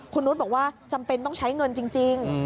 คุณนุษย์บอกว่าจำเป็นต้องใช้เงินจริง